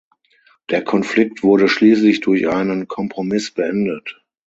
Der Konflikt wurde schließlich durch einen Kompromiss beendet.